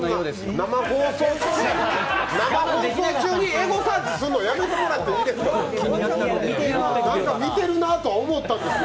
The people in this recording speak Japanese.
生放送中にエゴサーチするの、やめてもらっていいですか。